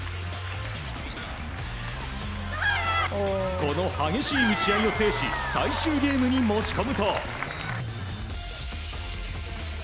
この激しい打ち合いを制し最終ゲームに持ち込むと。